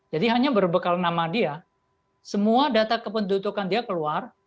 jadi hanya berbekal nama dia semua data kependudukan dia keluar